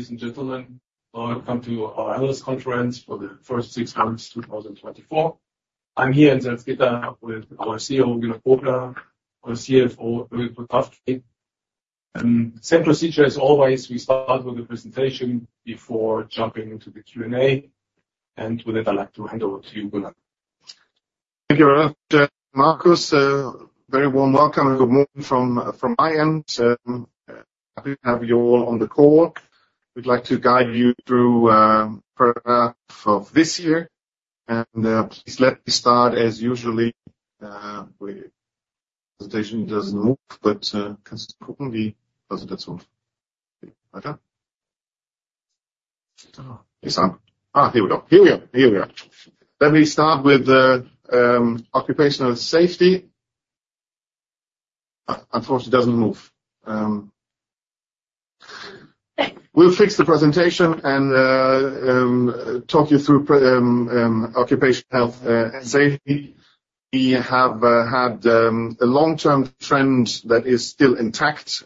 Ladies and gentlemen, welcome to our analyst conference for the first six months, 2024. I'm here in Salzgitter with our CEO, Gunnar Groebler, our CFO, Birgit Potrafki. Same procedure as always. We start out with the presentation before jumping into the Q&A. And with that, I'd like to hand over to you, Gunnar. Thank you very much, Markus. Very warm welcome and good morning from my end. Happy to have you all on the call. We'd like to guide you through progress of this year. Please let me start as usually with presentation doesn't move, but, Ah, here we go. Here we are. Here we are. Let me start with the occupational safety. Unfortunately, it doesn't move. We'll fix the presentation and talk you through occupational health and safety. We have had a long-term trend that is still intact,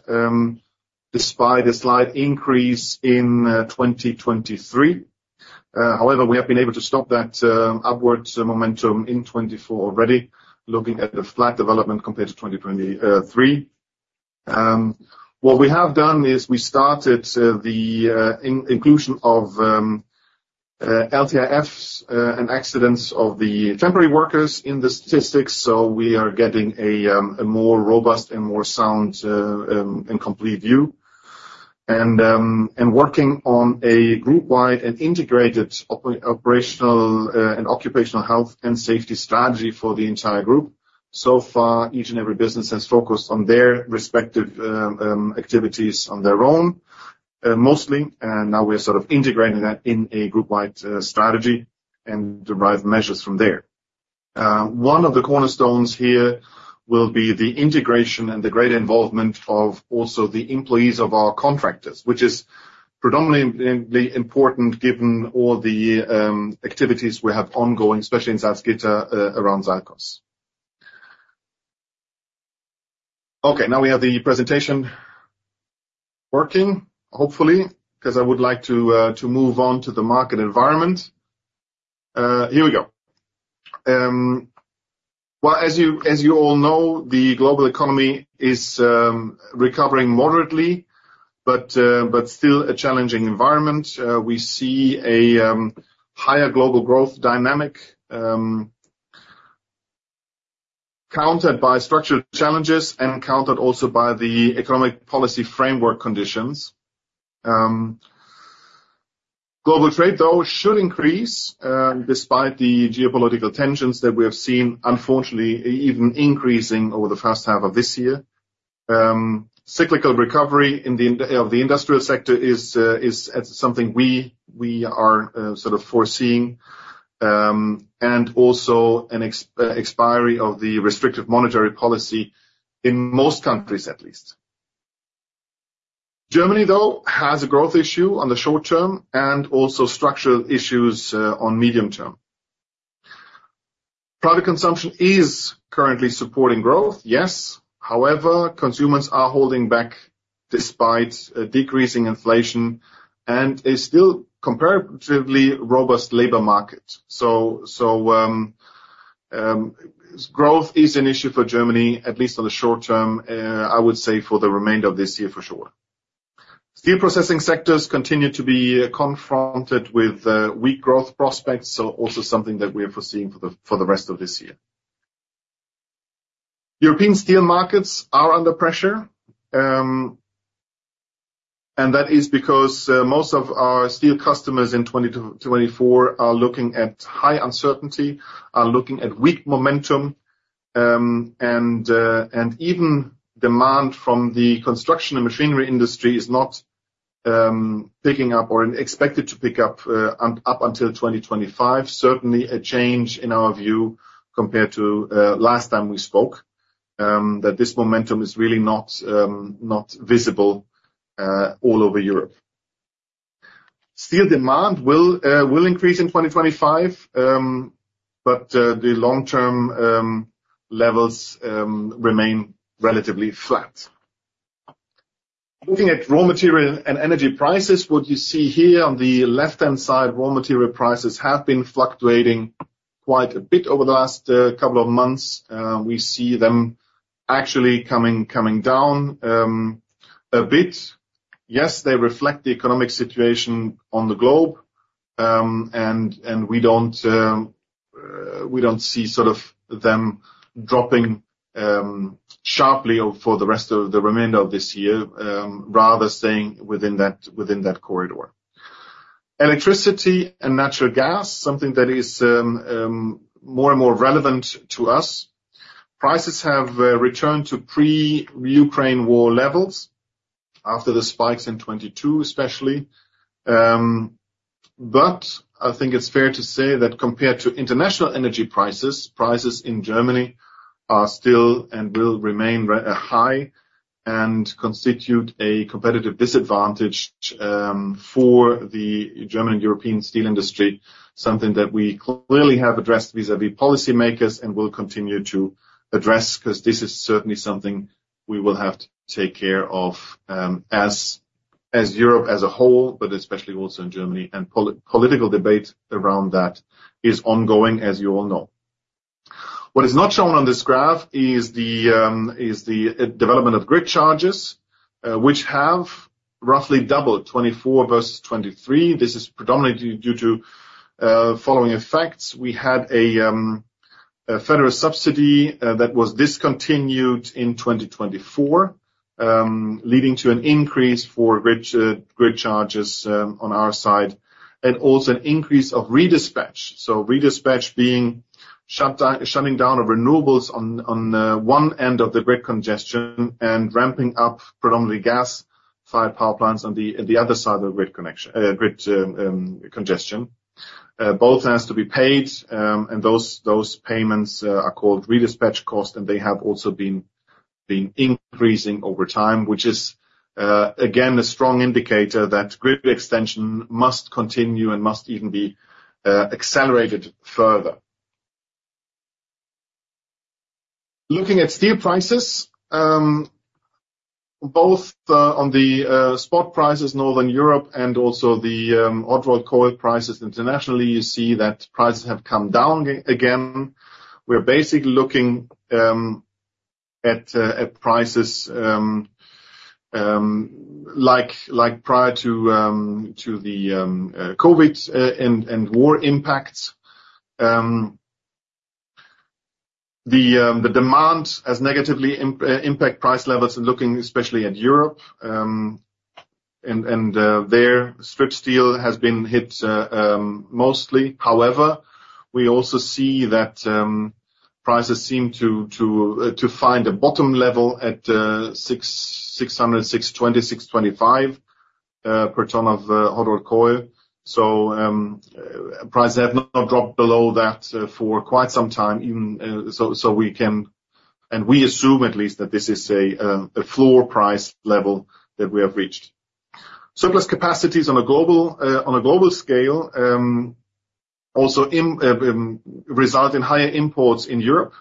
despite a slight increase in 2023. However, we have been able to stop that upwards momentum in 2024 already, looking at the flat development compared to 2023. What we have done is we started the inclusion of LTIFs and accidents of the temporary workers in the statistics, so we are getting a more robust and more sound and complete view. And working on a group-wide and integrated operational and occupational health and safety strategy for the entire group. So far, each and every business has focused on their respective activities on their own, mostly, and now we're sort of integrating that in a group-wide strategy, and derive measures from there. One of the cornerstones here will be the integration and the great involvement of also the employees of our contractors, which is predominantly important given all the activities we have ongoing, especially in Salzgitter, around SALCOS. Okay, now we have the presentation working, hopefully, because I would like to move on to the market environment. Here we go. Well, as you all know, the global economy is recovering moderately, but still a challenging environment. We see a higher global growth dynamic, countered by structured challenges and countered also by the economic policy framework conditions. Global trade, though, should increase despite the geopolitical tensions that we have seen, unfortunately, even increasing over the first half of this year. Cyclical recovery in the industrial sector is something we are sort of foreseeing, and also an expiry of the restrictive monetary policy in most countries, at least. Germany, though, has a growth issue on the short term and also structural issues on medium term. Private consumption is currently supporting growth, yes. However, consumers are holding back despite a decreasing inflation and a still comparatively robust labor market. So, growth is an issue for Germany, at least on the short term, I would say, for the remainder of this year, for sure. Steel processing sectors continue to be confronted with weak growth prospects, so also something that we are foreseeing for the rest of this year. European steel markets are under pressure, and that is because most of our steel customers in 2024 are looking at high uncertainty, are looking at weak momentum, and even demand from the construction and machinery industry is not picking up or expected to pick up until 2025. Certainly a change in our view compared to last time we spoke, that this momentum is really not visible all over Europe. Steel demand will increase in 2025, but the long-term levels remain relatively flat. Looking at raw material and energy prices, what you see here on the left-hand side, raw material prices have been fluctuating quite a bit over the last couple of months. We see them actually coming down a bit. Yes, they reflect the economic situation on the globe, and we don't see them dropping sharply or for the rest of the remainder of this year, rather staying within that corridor. Electricity and natural gas, something that is more and more relevant to us. Prices have returned to pre-Ukraine war levels after the spikes in 2022, especially. But I think it's fair to say that compared to international energy prices, prices in Germany are still and will remain high and constitute a competitive disadvantage for the German and European steel industry. Something that we clearly have addressed vis-a-vis policymakers and will continue to address, because this is certainly something we will have to take care of, as Europe as a whole, but especially also in Germany, and political debate around that is ongoing, as you all know. What is not shown on this graph is the development of grid charges, which have roughly doubled, 2024 versus 2023. This is predominantly due to following effects. We had a federal subsidy that was discontinued in 2024, leading to an increase for grid grid charges on our side, and also an increase of redispatch. So redispatch being shutting down of renewables on one end of the grid congestion and ramping up predominantly gas-fired power plants on the other side of the grid connection, grid congestion. Both has to be paid, and those payments are called redispatch costs, and they have also been increasing over time, which is again a strong indicator that grid extension must continue and must even be accelerated further. Looking at steel prices both on the spot prices, Northern Europe, and also the hot rolled coil prices internationally, you see that prices have come down again. We're basically looking at prices like prior to the COVID and war impacts. The demand has negatively impact price levels, looking especially at Europe, and there, strip steel has been hit mostly. However, we also see that prices seem to find a bottom level at 600, 620, 625 per ton of hot rolled coil. So, prices have not dropped below that for quite some time, even, so we assume at least that this is a floor price level that we have reached. Surplus capacities on a global scale also result in higher imports in Europe,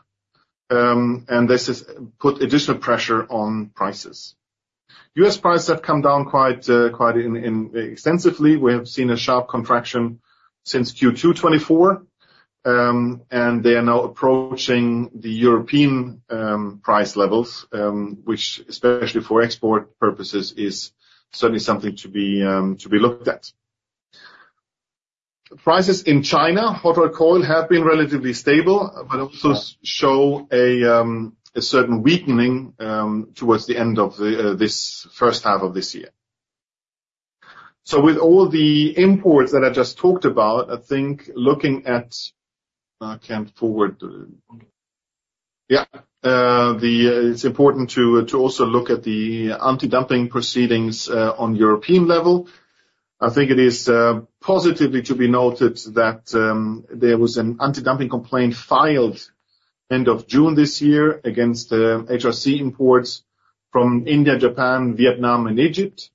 and this has put additional pressure on prices. U.S. prices have come down quite extensively. We have seen a sharp contraction since Q2 2024, and they are now approaching the European price levels, which especially for export purposes is certainly something to be looked at. Prices in China, hot rolled coil, have been relatively stable, but also show a certain weakening towards the end of this first half of this year. So with all the imports that I just talked about, I think looking forward. Yeah, it's important to also look at the antidumping proceedings on European level. I think it is positively to be noted that there was an antidumping complaint filed end of June this year against HRC imports from India, Japan, Vietnam and Egypt.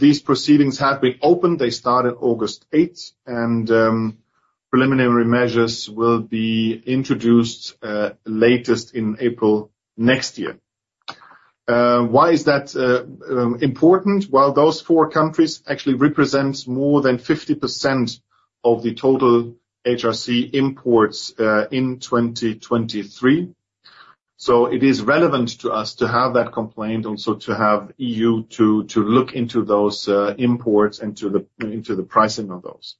These proceedings have been opened. They started August 8, and preliminary measures will be introduced latest in April next year. Why is that important? Well, those four countries actually represents more than 50% of the total HRC imports in 2023. So it is relevant to us to have that complaint and also to have EU to look into those imports and into the pricing of those.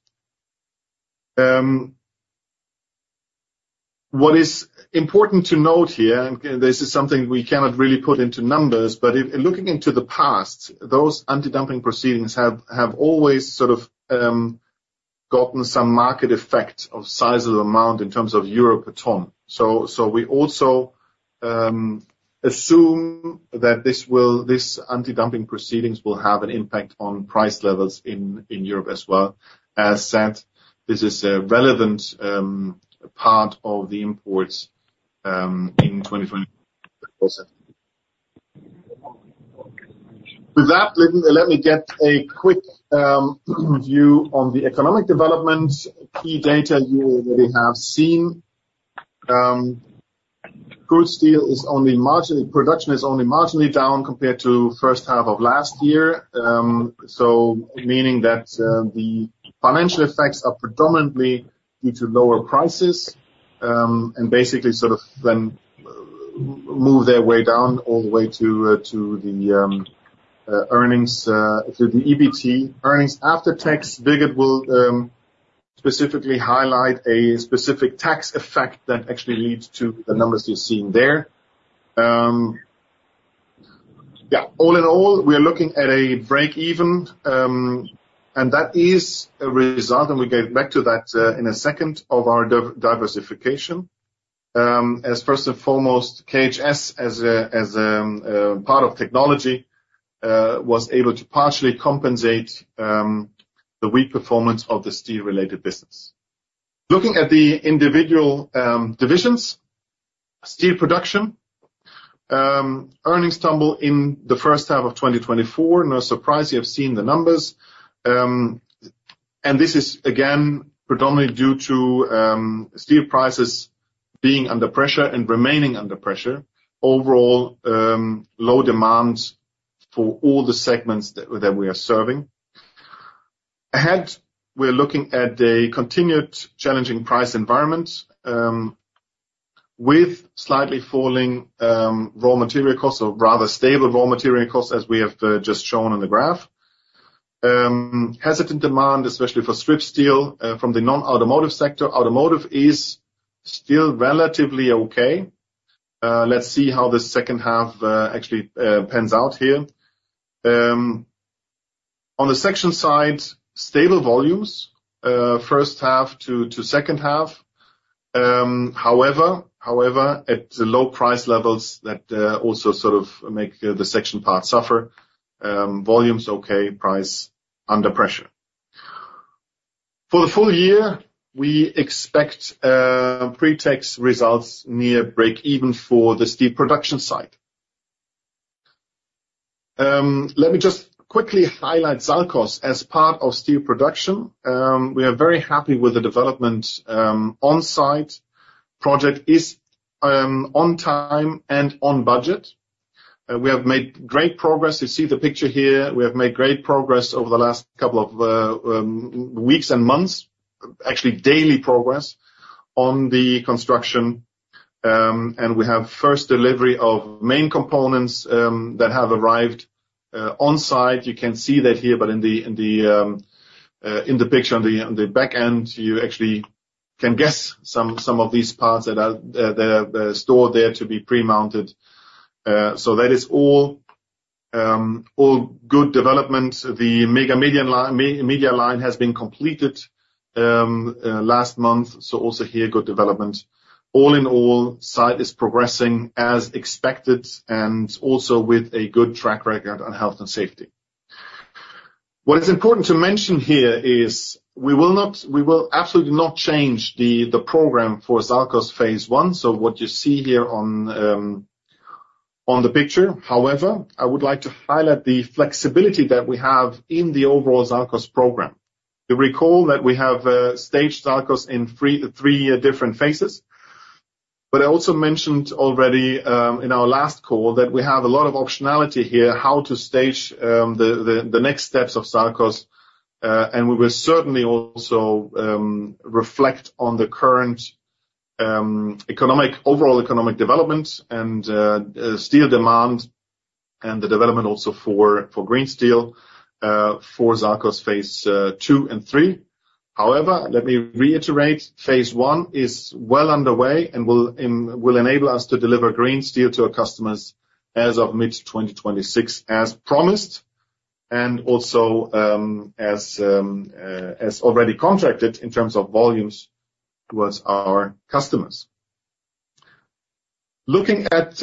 What is important to note here, and this is something we cannot really put into numbers, but in looking into the past, those antidumping proceedings have always sort of gotten some market effect of size of the amount in terms of EUR per ton. So we also assume that this antidumping proceedings will have an impact on price levels in Europe as well. As said, this is a relevant part of the imports in 2020. With that, let me get a quick view on the economic development. Key data you already have seen. Crude steel production is only marginally down compared to first half of last year. So meaning that, the financial effects are predominantly due to lower prices, and basically, sort of then move their way down, all the way to, to the earnings, to the EBT earnings. After tax, Birgit will, specifically highlight a specific tax effect that actually leads to the numbers you're seeing there. Yeah, all in all, we are looking at a break-even, and that is a result, and we get back to that, in a second, of our diversification. As first and foremost, KHS, as a part of technology, was able to partially compensate, the weak performance of the steel-related business. Looking at the individual, divisions, steel production, earnings tumble in the first half of 2024. No surprise, you have seen the numbers. And this is again, predominantly due to, steel prices being under pressure and remaining under pressure. Overall, low demand for all the segments that we are serving. Ahead, we're looking at a continued challenging price environment, with slightly falling, raw material costs or rather stable raw material costs, as we have, just shown on the graph. Hesitant demand, especially for strip steel, from the non-automotive sector. Automotive is still relatively okay. Let's see how the second half, actually, pans out here. On the section side, stable volumes, first half to second half. However, at the low price levels that also sort of make the section part suffer, volume's okay, price under pressure. For the full year, we expect, pre-tax results near break even for the steel production side. Let me just quickly highlight SALCOS as part of steel production. We are very happy with the development on site. Project is on time and on budget. We have made great progress. You see the picture here. We have made great progress over the last couple of weeks and months, actually, daily progress on the construction. And we have first delivery of main components that have arrived on site. You can see that here, but in the picture on the back end, you actually can guess some of these parts that are stored there to be pre-mounted. So that is all good development. The media line has been completed last month, so also here, good development. All in all, site is progressing as expected and also with a good track record on health and safety. What is important to mention here is we will not- we will absolutely not change the program for SALCOS phase I, so what you see here on the picture. However, I would like to highlight the flexibility that we have in the overall SALCOS program. You recall that we have staged SALCOS in three different phases, but I also mentioned already in our last call, that we have a lot of optionality here, how to stage the next steps of SALCOS. And we will certainly also reflect on the current economic- overall economic development and steel demand, and the development also for green steel for SALCOS phase II and III. However, let me reiterate, phase I is well underway and will enable us to deliver green steel to our customers as of mid-2026, as promised, and also as already contracted in terms of volumes towards our customers. Looking at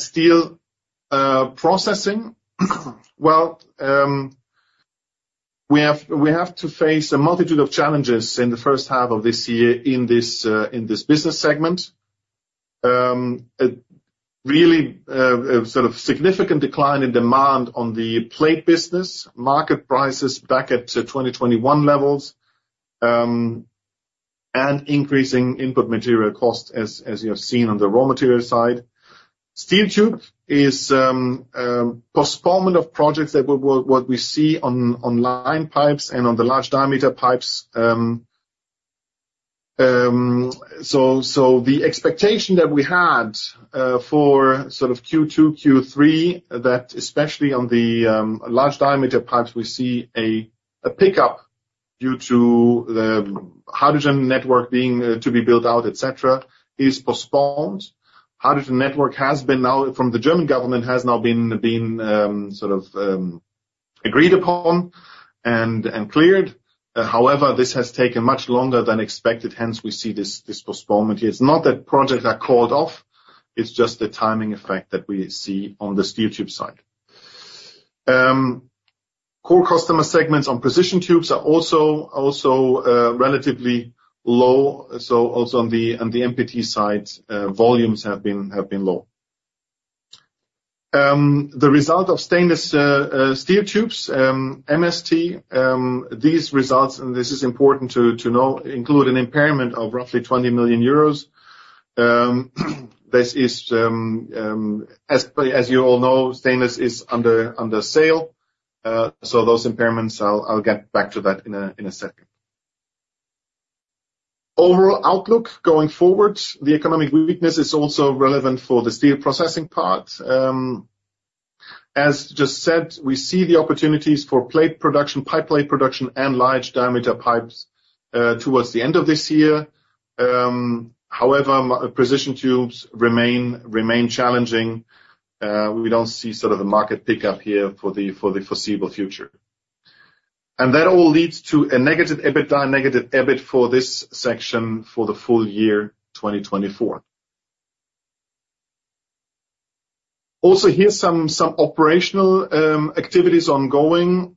steel processing, we have to face a multitude of challenges in the first half of this year in this business segment. A really sort of significant decline in demand on the plate business, market prices back at 2021 levels, and increasing input material costs, as you have seen on the raw material side. Steel tube is postponement of projects that we see on line pipes and on the large diameter pipes. So the expectation that we had for sort of Q2, Q3, that especially on the large diameter pipes, we see a pickup due to the hydrogen network being to be built out, et cetera, is postponed. Hydrogen network has now been, from the German government, sort of agreed upon and cleared. However, this has taken much longer than expected, hence we see this postponement here. It's not that projects are called off, it's just the timing effect that we see on the steel tube side. Core customer segments on precision tubes are also relatively low. So also on the MPT side, volumes have been low. The result of stainless steel tubes, MST, these results, and this is important to know, include an impairment of roughly 20 million euros. This is, as you all know, stainless is up for sale. So those impairments, I'll get back to that in a second. Overall outlook going forward, the economic weakness is also relevant for the steel processing part. As just said, we see the opportunities for plate production, pipe plate production, and large diameter pipes towards the end of this year. However, precision tubes remain challenging. We don't see sort of a market pickup here for the foreseeable future. And that all leads to a negative EBITDA, negative EBIT, for this section for the full year 2024. Also, here's some operational activities ongoing,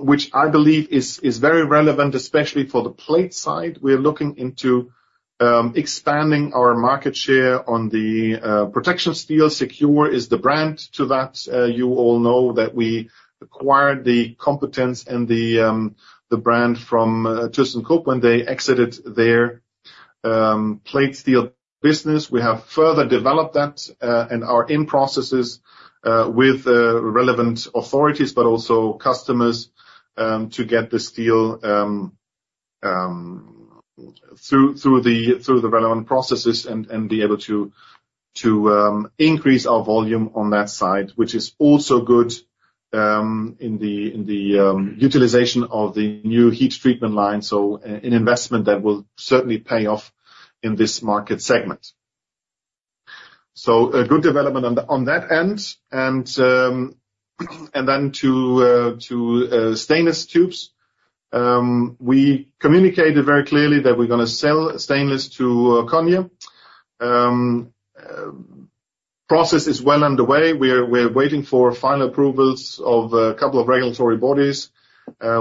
which I believe is very relevant, especially for the plate side. We are looking into expanding our market share on the protection steel. Secure is the brand to that. You all know that we acquired the competence and the brand from ThyssenKrupp when they exited their plate steel business. We have further developed that and are in processes with the relevant authorities, but also customers to get the steel through the relevant processes and be able to increase our volume on that side, which is also good in the utilization of the new heat treatment line. So an investment that will certainly pay off in this market segment. So a good development on that end, and then to stainless tubes. We communicated very clearly that we're gonna sell stainless to Cogne. Process is well underway. We are waiting for final approvals of a couple of regulatory bodies.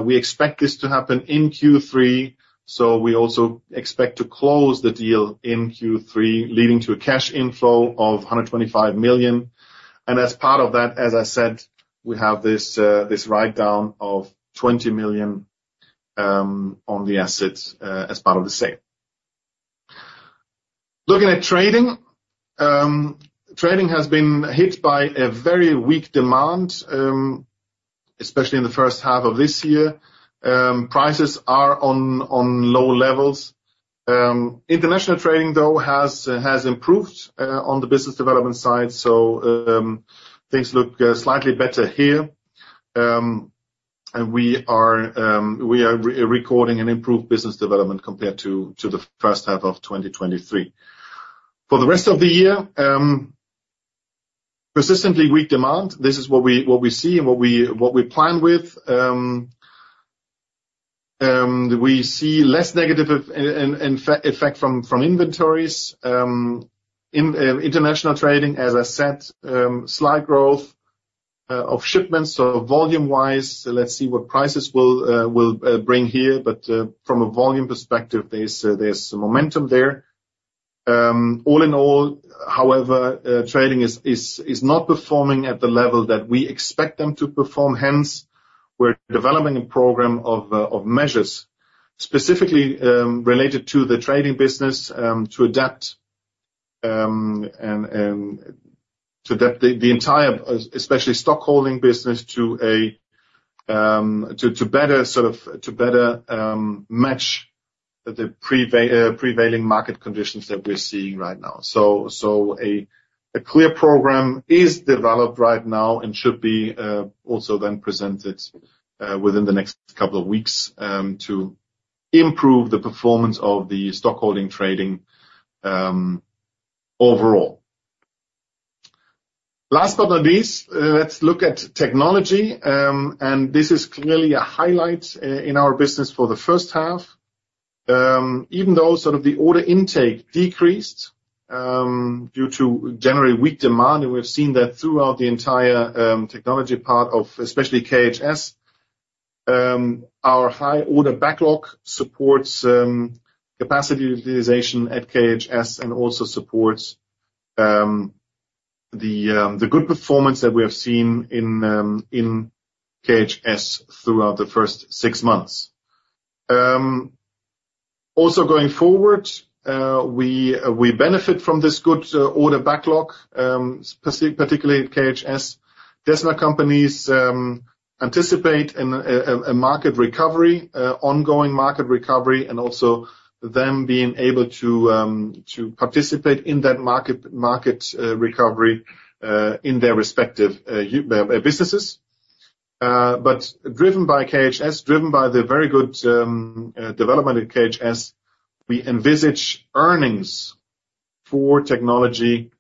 We expect this to happen in Q3, so we also expect to close the deal in Q3, leading to a cash inflow of 125 million. And as part of that, as I said, we have this write down of 20 million on the assets as part of the sale. Looking at trading, trading has been hit by a very weak demand, especially in the first half of this year. Prices are on low levels. International trading, though, has improved on the business development side. So, things look slightly better here. And we are reporting an improved business development compared to the first half of 2023. For the rest of the year, persistently weak demand, this is what we see and what we plan with. We see less negative effect from inventories. In international trading, as I said, slight growth of shipments. So volume-wise, let's see what prices will bring here, but from a volume perspective, there's some momentum there. All in all, however, trading is not performing at the level that we expect them to perform. Hence, we're developing a program of measures, specifically, related to the trading business, to adapt and to adapt the entire, especially stock holding business, to a to better sort of to better match the prevailing market conditions that we're seeing right now. So a clear program is developed right now and should be also then presented within the next couple of weeks to improve the performance of the stock holding trading overall. Last but not least, let's look at technology, and this is clearly a highlight in our business for the first half. Even though sort of the order intake decreased due to generally weak demand, and we've seen that throughout the entire technology part of especially KHS, our high order backlog supports capacity utilization at KHS and also supports the good performance that we have seen in KHS throughout the first six months. Also going forward, we benefit from this good order backlog, particularly at KHS. DESMA companies anticipate an ongoing market recovery, and also them being able to participate in that market recovery in their respective businesses. But driven by KHS, driven by the very good development in KHS, we envisage earnings for technology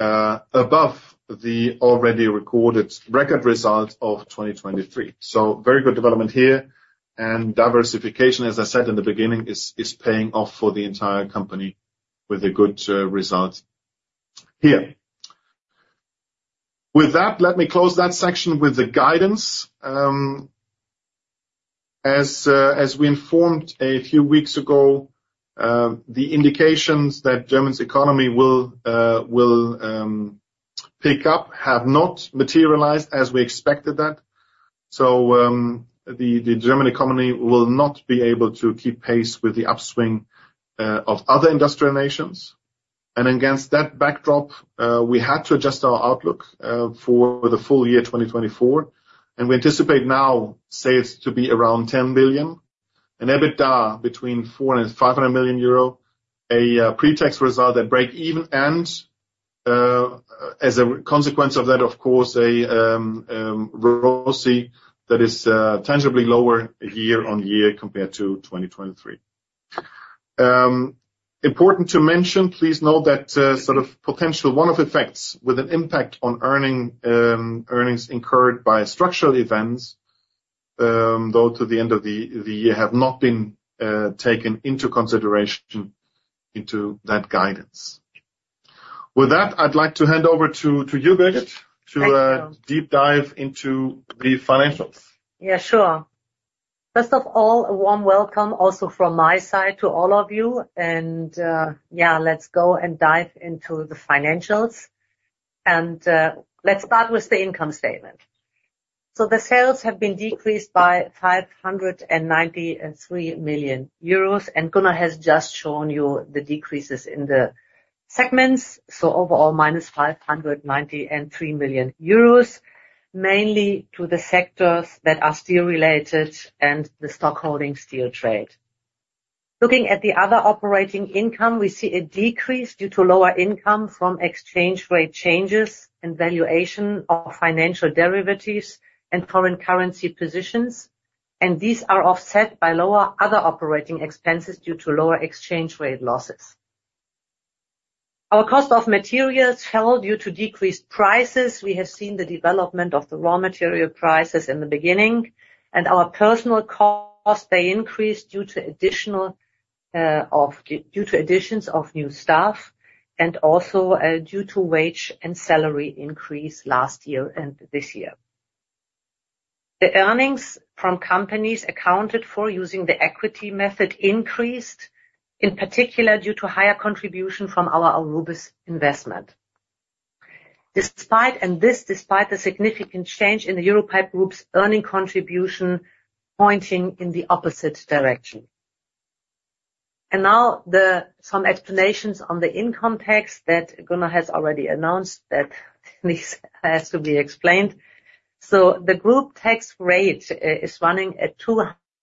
above the already recorded record result of 2023. So very good development here, and diversification, as I said in the beginning, is paying off for the entire company with a good result here. With that, let me close that section with the guidance. As we informed a few weeks ago, the indications that Germany's economy will pick up have not materialized as we expected that. So the German economy will not be able to keep pace with the upswing of other industrial nations. Against that backdrop, we had to adjust our outlook for the full year 2024, and we anticipate now sales to be around 10 billion, and EBITDA between 400 million and 500 million euro, a pre-tax result at break-even, and, as a consequence of that, of course, a ROCE that is tangibly lower year-on-year compared to 2023. Important to mention, please note that sort of potential one-off effects with an impact on earning, earnings incurred by structural events, though, to the end of the year have not been taken into consideration into that guidance. With that, I'd like to hand over to you, Birgit, to deep dive into the financials. Yeah, sure. First of all, a warm welcome also from my side to all of you, and yeah, let's go and dive into the financials. Let's start with the income statement. The sales have been decreased by 593 million euros, and Gunnar has just shown you the decreases in the segments. Overall, minus 593 million euros, mainly to the sectors that are steel-related and the stockholding steel trade. Looking at the other operating income, we see a decrease due to lower income from exchange rate changes and valuation of financial derivatives and foreign currency positions, and these are offset by lower other operating expenses due to lower exchange rate losses. Our cost of materials fell due to decreased prices. We have seen the development of the raw material prices in the beginning, and our personnel costs, they increased due to additional, of, due to additions of new staff, and also, due to wage and salary increase last year and this year. The earnings from companies accounted for using the equity method increased, in particular, due to higher contribution from our Aurubis investment. Despite, and this, despite the significant change in the EUROPIPE Group's earning contribution pointing in the opposite direction. Now, some explanations on the income tax that Gunnar has already announced, that this has to be explained. The group tax rate is running at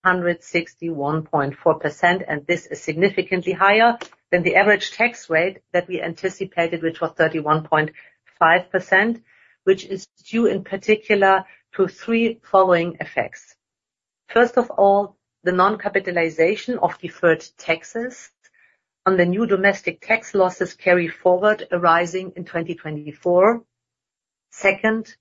261.4%, and this is significantly higher than the average tax rate that we anticipated, which was 31.5%, which is due, in particular, to three following effects. First of all, the non-capitalization of deferred taxes on the new domestic tax losses carry forward, arising in 2024. Second,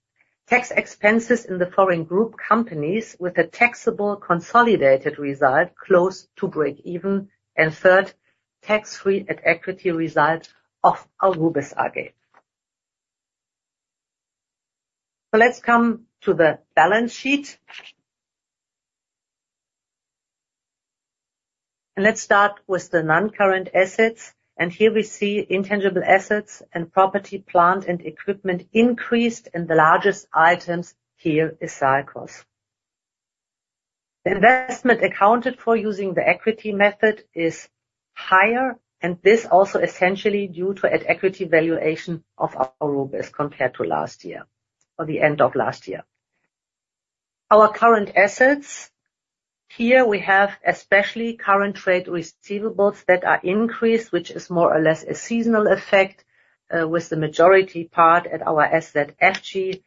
tax expenses in the foreign group companies with a taxable consolidated result close to breakeven. And third, tax-free at equity result of Aurubis AG. So let's come to the balance sheet. And let's start with the non-current assets, and here we see intangible assets and property, plant, and equipment increased, and the largest items here is SALCOS. Investment accounted for using the equity method is higher, and this also essentially due to an equity valuation of Aurubis compared to last year or the end of last year. Our current assets, here we have, especially current trade receivables that are increased, which is more or less a seasonal effect, with the majority part at our SZFG,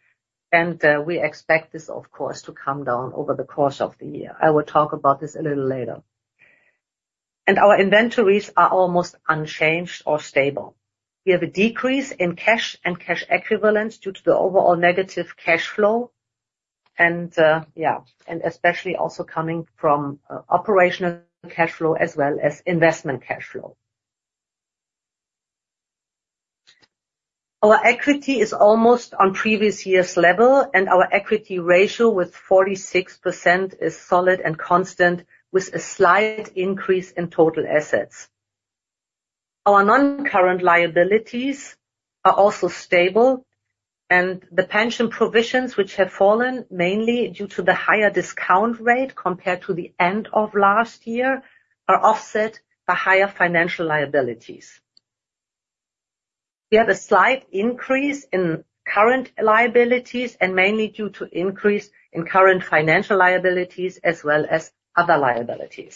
and, we expect this, of course, to come down over the course of the year. I will talk about this a little later. Our inventories are almost unchanged or stable. We have a decrease in cash and cash equivalents due to the overall negative cash flow, and, yeah, and especially also coming from, operational cash flow as well as investment cash flow. Our equity is almost on previous year's level, and our equity ratio, with 46%, is solid and constant, with a slight increase in total assets. Our non-current liabilities are also stable, and the pension provisions, which have fallen mainly due to the higher discount rate compared to the end of last year, are offset by higher financial liabilities. We have a slight increase in current liabilities, and mainly due to increase in current financial liabilities as well as other liabilities.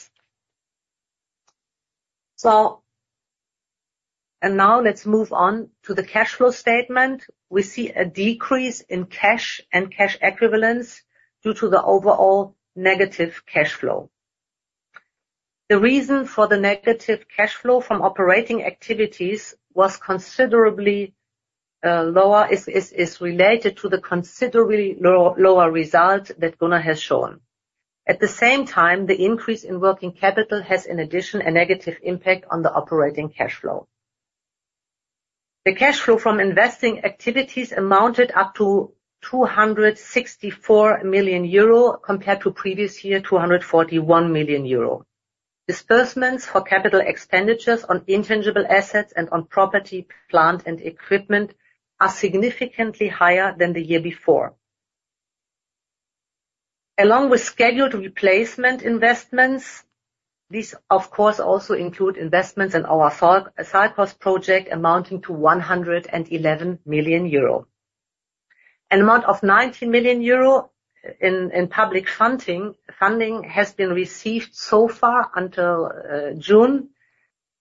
So... now let's move on to the cash flow statement. We see a decrease in cash and cash equivalents due to the overall negative cash flow. The reason for the negative cash flow from operating activities was considerably lower and is related to the considerably lower result that Gunnar has shown. At the same time, the increase in working capital has, in addition, a negative impact on the operating cash flow. The cash flow from investing activities amounted up to 264 million euro, compared to previous year, 241 million euro. Disbursements for capital expenditures on intangible assets and on property, plant, and equipment are significantly higher than the year before. Along with scheduled replacement investments, these, of course, also include investments in our SALCOS project, amounting to 111 million euro. An amount of 90 million euro in public funding has been received so far until June,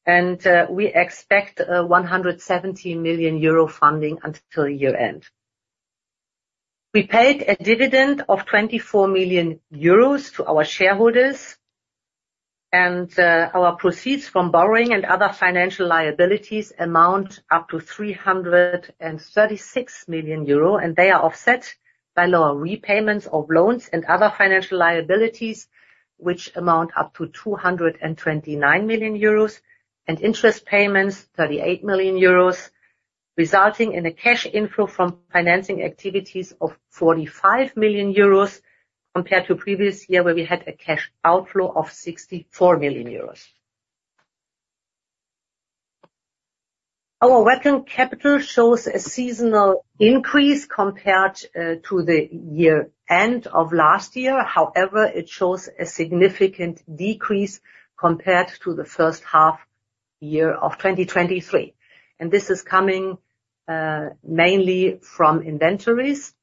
and we expect a 117 million euro funding until year-end. We paid a dividend of 24 million euros to our shareholders, and our proceeds from borrowing and other financial liabilities amount up to 336 million euro, and they are offset-... by lower repayments of loans and other financial liabilities, which amount up to 229 million euros, and interest payments, 38 million euros, resulting in a cash inflow from financing activities of 45 million euros, compared to previous year, where we had a cash outflow of 64 million euros. Our working capital shows a seasonal increase compared to the year-end of last year. However, it shows a significant decrease compared to the first half year of 2023, and this is coming mainly from inventories.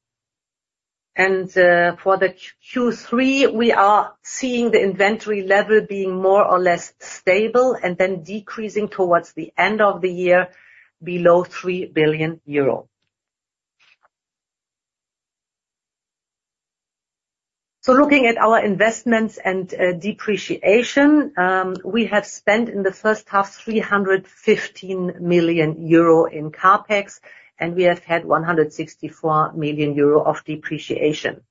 For the Q3, we are seeing the inventory level being more or less stable and then decreasing towards the end of the year below 3 billion euro. So looking at our investments and depreciation, we have spent in the first half 315 million euro in CapEx, and we have had 164 million euro of depreciation.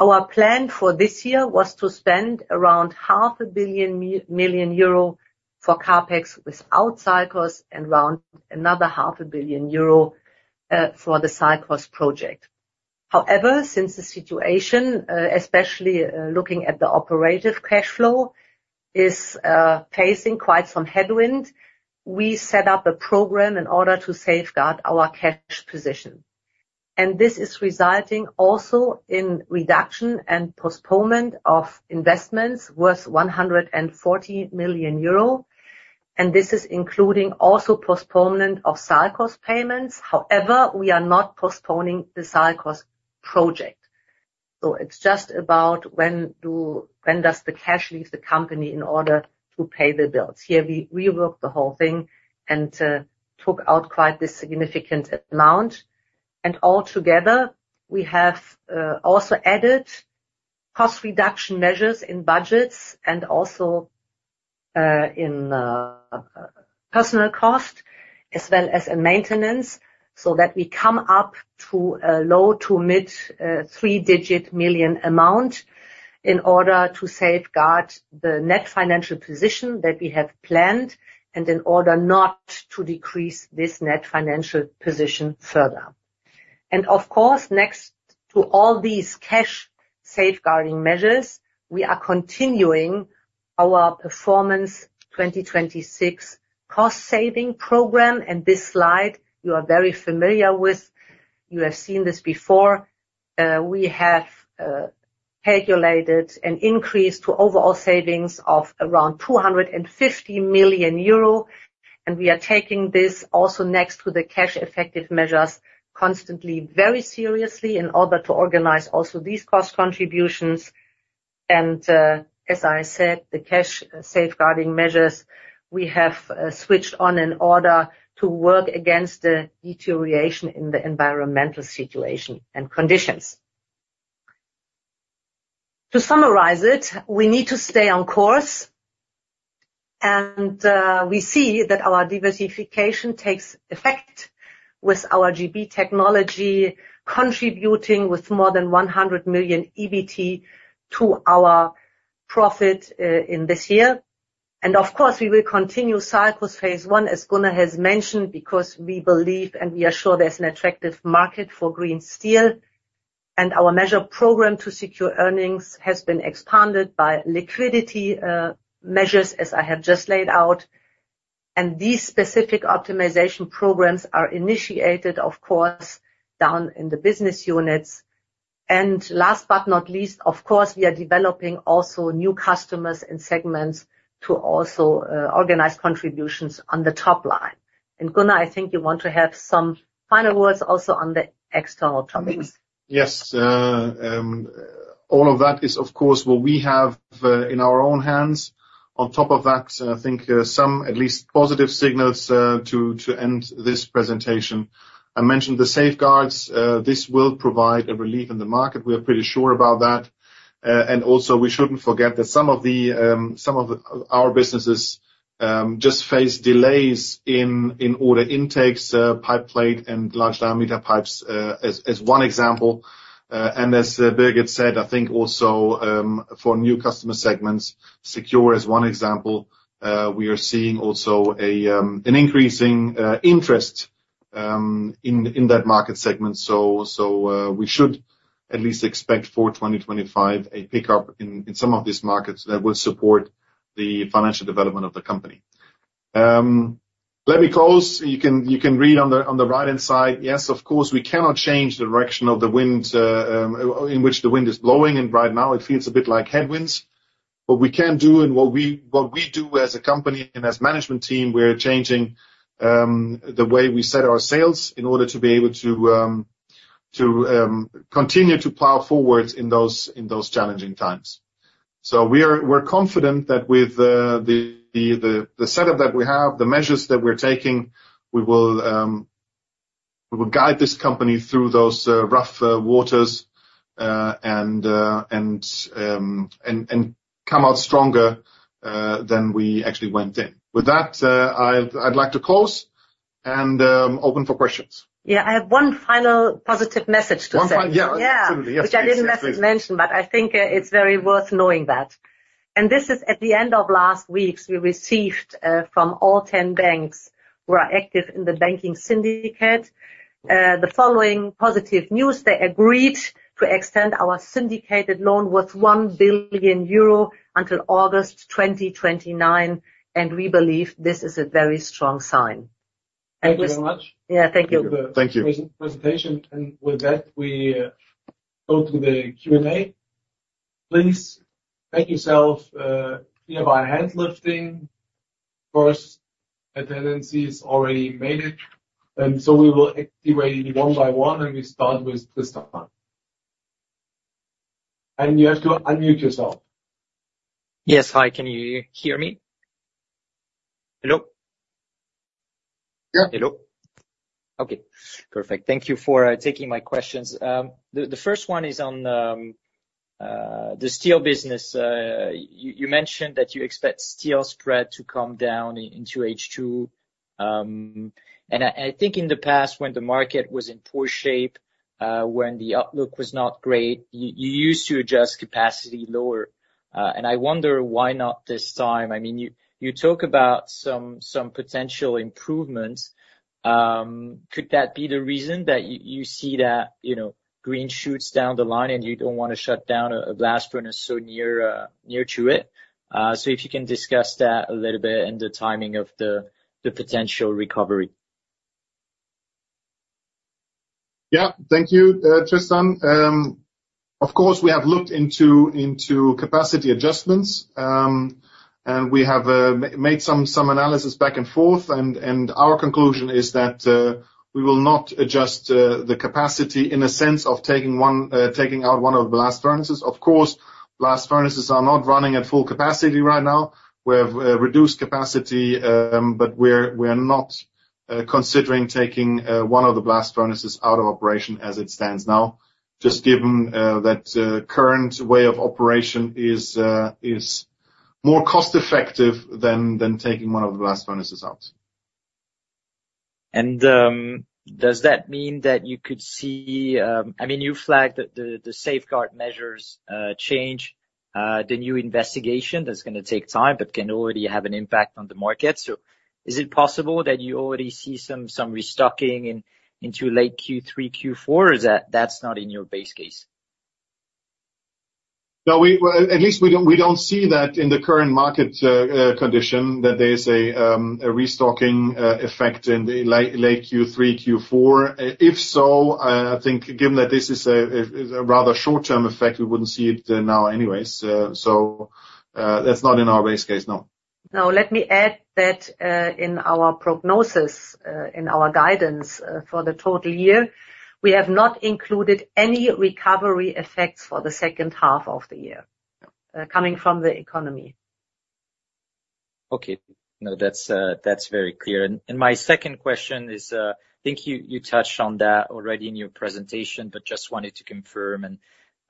Our plan for this year was to spend around 500 million euro for CapEx, without SALCOS, and around another 500 million euro for the SALCOS project. However, since the situation, especially looking at the operative cash flow, is facing quite some headwind, we set up a program in order to safeguard our cash position. And this is resulting also in reduction and postponement of investments worth 140 million euro, and this is including also postponement of SALCOS payments. However, we are not postponing the SALCOS project. So it's just about when does the cash leave the company in order to pay the bills? Here, we worked the whole thing and took out quite a significant amount. Altogether, we have also added cost reduction measures in budgets and also in personal cost as well as in maintenance, so that we come up to a low- to mid-three-digit million EUR amount in order to safeguard the net financial position that we have planned and in order not to decrease this net financial position further. Of course, next to all these cash safeguarding measures, we are continuing our Performance 2026 cost-saving program. This slide, you are very familiar with. You have seen this before. We have calculated an increase to overall savings of around 250 million euro, and we are taking this also next to the cash-effective measures, constantly, very seriously, in order to organize also these cost contributions. As I said, the cash safeguarding measures, we have switched on in order to work against the deterioration in the environmental situation and conditions. To summarize it, we need to stay on course, and we see that our diversification takes effect with our GB Technology, contributing with more than 100 million EBT to our profit, in this year. And of course, we will continue SALCOS phase I, as Gunnar has mentioned, because we believe, and we are sure there's an attractive market for green steel. And our measure program to secure earnings has been expanded by liquidity measures, as I have just laid out, and these specific optimization programs are initiated, of course, down in the business units. And last but not least, of course, we are developing also new customers and segments to also organize contributions on the top line. And Gunnar, I think you want to have some final words also on the external topics. Yes, all of that is, of course, what we have in our own hands. On top of that, I think some at least positive signals to end this presentation. I mentioned the safeguards. This will provide a relief in the market. We are pretty sure about that. And also, we shouldn't forget that some of our businesses just face delays in order intakes, pipe plate and large diameter pipes, as one example. And as Birgit said, I think also for new customer segments, Secure is one example. We are seeing also an increasing interest in that market segment. We should at least expect for 2025 a pickup in some of these markets that will support the financial development of the company. Let me close. You can read on the right-hand side. Yes, of course, we cannot change the direction of the wind in which the wind is blowing, and right now it feels a bit like headwinds. What we can do and what we do as a company and as management team, we are changing the way we set our sails in order to be able to continue to plow forward in those challenging times. So we're confident that with the setup that we have, the measures that we're taking, we will guide this company through those rough waters and come out stronger than we actually went in. With that, I'd like to close and open for questions. Yeah, I have one final positive message to say. One final, yeah, absolutely. Yeah. Yes, please. Which I didn't actually mention, but I think, it's very worth knowing that. And this is at the end of last week, we received, from all 10 banks who are active in the banking syndicate, the following positive news: they agreed to extend our syndicated loan worth 1 billion euro until August 2029, and we believe this is a very strong sign. Thank you very much. Yeah, thank you. Thank you. Thank you for the presentation. With that, we go to the Q&A. Please make yourself clear by raising your hand. First, the attendee has already indicated it, and so we will activate one by one, and we start with Tristan. You have to unmute yourself. Yes. Hi, can you hear me? Hello? Yeah. Hello. Okay, perfect. Thank you for taking my questions. The first one is on the steel business. You mentioned that you expect steel spread to come down into H2. And I think in the past, when the market was in poor shape, when the outlook was not great, you used to adjust capacity lower. And I wonder why not this time? I mean, you talk about some potential improvements. Could that be the reason that you see that, you know, green shoots down the line and you don't wanna shut down a blast furnace so near to it? So if you can discuss that a little bit and the timing of the potential recovery. Yeah. Thank you, Tristan. Of course, we have looked into capacity adjustments, and we have made some analysis back and forth. And our conclusion is that we will not adjust the capacity in a sense of taking out one of the blast furnaces. Of course, blast furnaces are not running at full capacity right now. We have reduced capacity, but we're not considering taking one of the blast furnaces out of operation as it stands now. Just given that current way of operation is more cost effective than taking one of the blast furnaces out. Does that mean that you could see... I mean, you flagged the safeguard measures, the new investigation that's gonna take time but can already have an impact on the market. So is it possible that you already see some restocking into late Q3, Q4, or is that that's not in your base case? No, well, at least we don't see that in the current market condition, that there is a restocking effect in the late, late Q3, Q4. If so, I think given that this is a rather short-term effect, we wouldn't see it now anyways. So, that's not in our base case, no. Now, let me add that, in our prognosis, in our guidance, for the total year, we have not included any recovery effects for the second half of the year, coming from the economy. Okay. No, that's, that's very clear. And, and my second question is, I think you, you touched on that already in your presentation, but just wanted to confirm, and,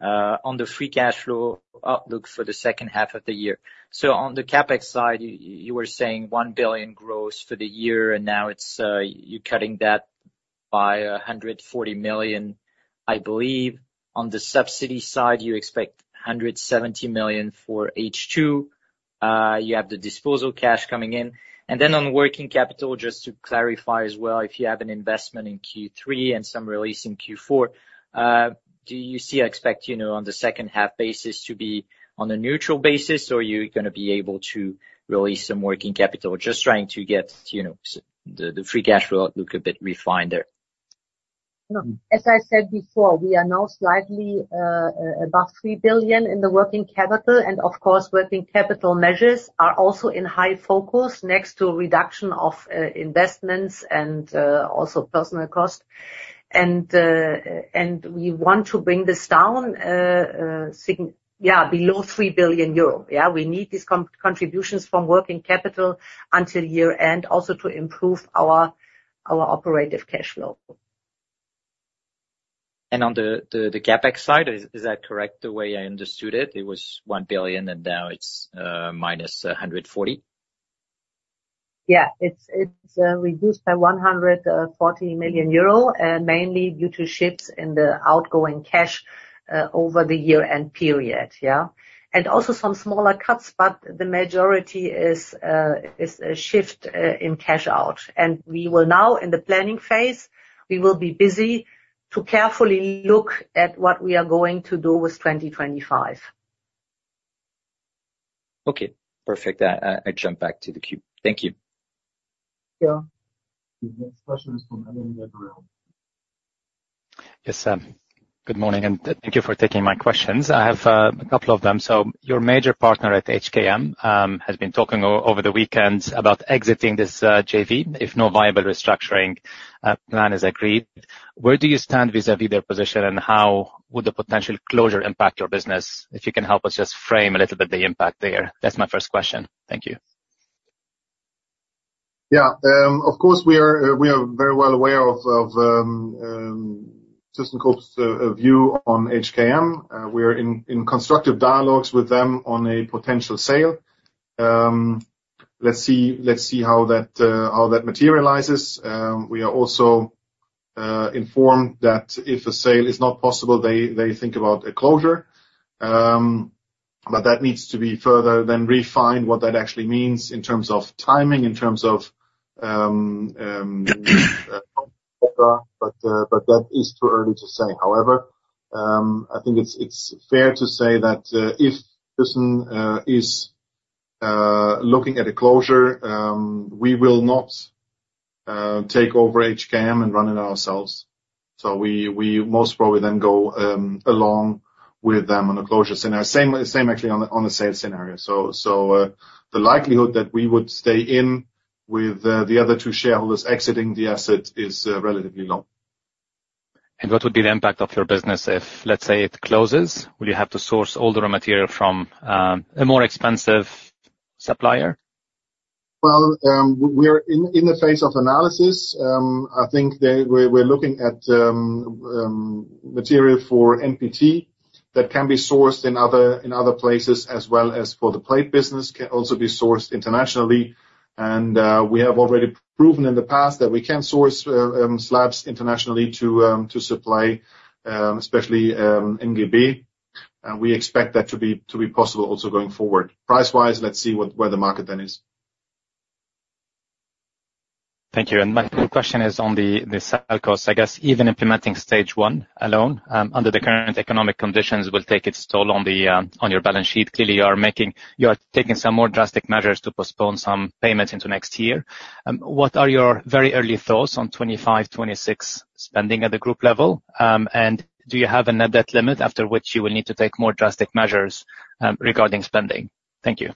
on the free cash flow outlook for the second half of the year. So on the CapEx side, you, you were saying 1 billion gross for the year, and now it's, you're cutting that by 140 million. I believe on the subsidy side, you expect 170 million for H2. You have the disposal cash coming in. And then on working capital, just to clarify as well, if you have an investment in Q3 and some release in Q4, do you see, expect, you know, on the second half basis to be on a neutral basis, or you're gonna be able to release some working capital? Just trying to get, you know, the free cash flow look a bit refined there. As I said before, we are now slightly above 3 billion in the working capital, and of course, working capital measures are also in high focus next to reduction of investments and also personnel cost. We want to bring this down significantly below 3 billion euro, yeah? We need these contributions from working capital until year end, also to improve our operating cash flow. On the CapEx side, is that correct, the way I understood it? It was 1 billion, and now it's minus 140 million. Yeah. It's reduced by 140 million euro, mainly due to shifts in the outgoing cash over the year-end period, yeah? Also some smaller cuts, but the majority is a shift in cash out. We will now, in the planning phase, be busy to carefully look at what we are going to do with 2025. Okay, perfect. I jump back to the queue. Thank you. Yeah. The next question is from Emmanuel Gabriel. Yes, good morning, and thank you for taking my questions. I have a couple of them. So your major partner at HKM has been talking over the weekend about exiting this JV, if no viable restructuring plan is agreed. Where do you stand vis-a-vis their position, and how would the potential closure impact your business? If you can help us just frame a little bit the impact there. That's my first question. Thank you. Yeah. Of course, we are, we are very well aware of, of... Just in case, a view on HKM, we're in, in constructive dialogues with them on a potential sale. Let's see, let's see how that, how that materializes. We are also, informed that if a sale is not possible, they, they think about a closure. But that needs to be further then refined, what that actually means in terms of timing, in terms of, but, but that is too early to say. However, I think it's, it's fair to say that, if ThyssenKrupp is looking at a closure, we will not, take over HKM and run it ourselves. So we, we most probably then go, along with them on a closure scenario. Same, actually, on the sales scenario. So, the likelihood that we would stay in with the other two shareholders exiting the asset is relatively low. What would be the impact of your business if, let's say, it closes? Would you have to source all the raw material from a more expensive supplier? Well, we're in the phase of analysis. I think we're looking at material for MPT that can be sourced in other places, as well as for the plate business, can also be sourced internationally. And we have already proven in the past that we can source slabs internationally to supply MGB. And we expect that to be possible also going forward. Price-wise, let's see where the market then is. Thank you. My question is on the SALCOS. I guess, even implementing stage one alone, under the current economic conditions, will take its toll on your balance sheet. Clearly, you are taking some more drastic measures to postpone some payments into next year. What are your very early thoughts on 2025, 2026 spending at the group level? And do you have a net debt limit, after which you will need to take more drastic measures, regarding spending? Thank you.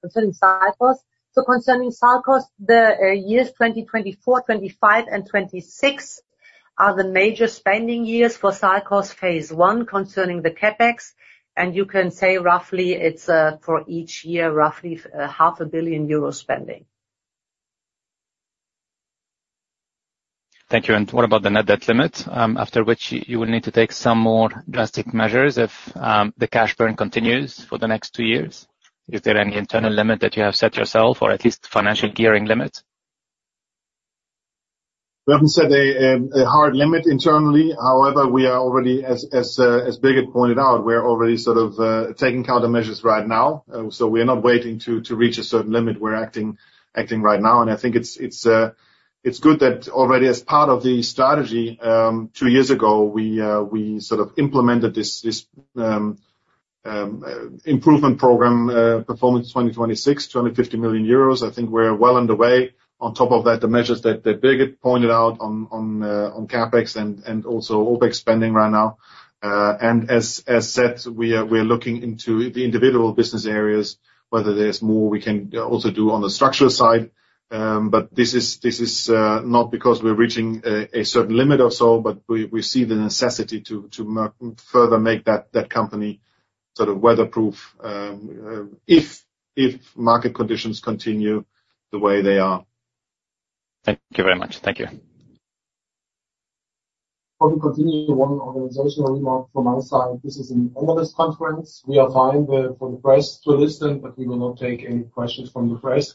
Concerning SALCOS. So concerning SALCOS, the years 2024, 2025, and 2026 are the major spending years for SALCOS phase I, concerning the CapEx. And you can say roughly, it's for each year, roughly, 500 million euro spending. Thank you. And what about the net debt limit, after which you will need to take some more drastic measures if the cash burn continues for the next two years? Is there any internal limit that you have set yourself or at least financial gearing limits? We haven't set a hard limit internally. However, we are already, as Birgit pointed out, we're already sort of taking countermeasures right now. So we are not waiting to reach a certain limit. We're acting right now, and I think it's good that already as part of the strategy, two years ago, we sort of implemented this improvement program, Performance 2026, 250 million euros. I think we're well underway. On top of that, the measures that Birgit pointed out on CapEx and also OpEx spending right now. And as said, we are looking into the individual business areas, whether there's more we can also do on the structural side. But this is not because we're reaching a certain limit or so, but we see the necessity to further make that company sort of weatherproof, if market conditions continue the way they are. Thank you very much. Thank you. Before we continue, one organizational remark from my side. This is an analyst conference. We are fine for the press to listen, but we will not take any questions from the press.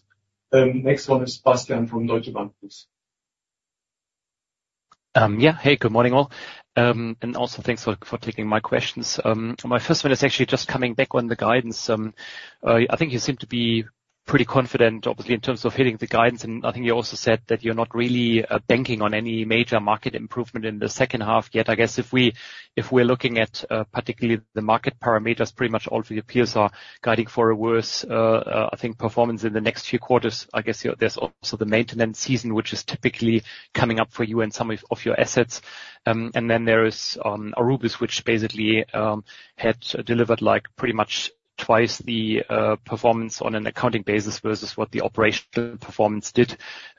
Next one is Bastian from Deutsche Bank, please. Yeah. Hey, good morning, all. And also thanks for, for taking my questions. My first one is actually just coming back on the guidance. I think you seem to be pretty confident, obviously, in terms of hitting the guidance. And I think you also said that you're not really banking on any major market improvement in the second half. Yet, I guess, if we're looking at, particularly the market parameters, pretty much all of your peers are guiding for a worse performance in the next few quarters. I guess, there's also the maintenance season, which is typically coming up for you and some of your assets. And then there is Aurubis, which basically had delivered, like, pretty much twice the performance on an accounting basis versus what the operational performance did,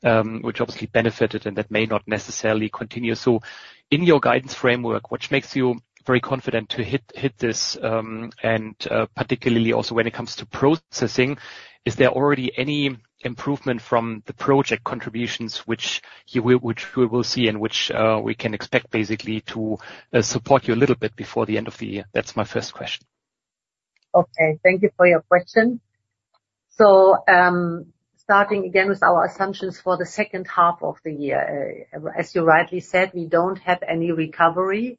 which obviously benefited, and that may not necessarily continue. So in your guidance framework, which makes you very confident to hit, hit this, and particularly also when it comes to processing, is there already any improvement from the project contributions which you will- which we will see and which we can expect basically to support you a little bit before the end of the year? That's my first question. Okay, thank you for your question. So, starting again with our assumptions for the second half of the year, as you rightly said, we don't have any recovery